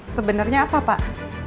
sebenarnya apa pak